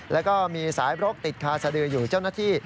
แล้วก็มีสายบรกติดคาสดืออยู่เจ้าหน้าที่